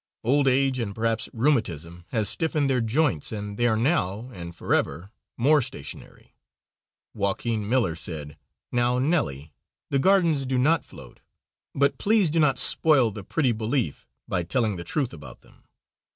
Old age, and perhaps rheumatism, has stiffened their joints and they are now and forever more stationary. Joaquin Miller said: "Now, Nellie, the gardens do not float, but please do not spoil the pretty belief by telling the truth about them."